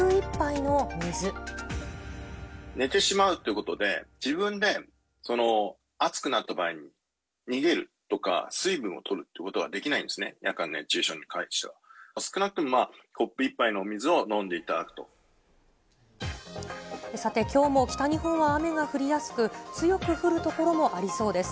寝てしまうということで、自分で暑くなった場合に逃げるとか、水分をとるということはできないんですね、夜間熱中症に関しては。少なくともコップ１杯の水を飲んさて、きょうも北日本は雨が降りやすく、強く降る所もありそうです。